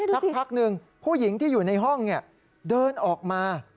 สักพักหนึ่งผู้หญิงที่อยู่ในห้องเดินออกมา